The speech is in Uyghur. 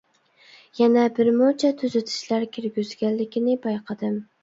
يەنە بىر مۇنچە تۈزىتىشلەر كىرگۈزگەنلىكىنى بايقىدىم.